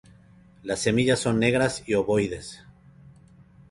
Las semillas son negras y ovoides.